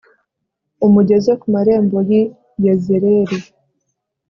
umugeze ku marembo yi Yezereli